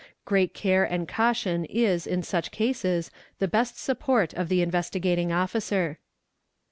Great care and caution is in such cases the best support of the Investigating Officer.